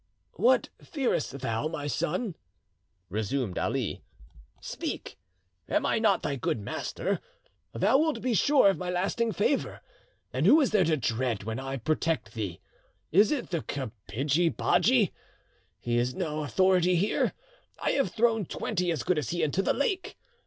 "What fearest thou, my son?" resumed Ali. "Speak, am I not thy good master? Thou wilt be sure of my lasting favour, and who is there to dread when I protect thee? Is it the kapidgi bachi? he has no authority here. I have thrown twenty as good as he into the lake!